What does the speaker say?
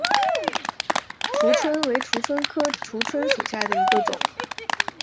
蜍蝽为蜍蝽科蜍蝽属下的一个种。